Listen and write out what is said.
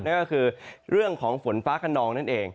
นั่นก็คือเรื่องของฝนฟ้าขนองนั่นเอง